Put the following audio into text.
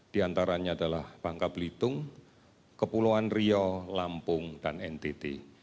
diantaranya adalah bangka belitung kepulauan rio lampung dan ntt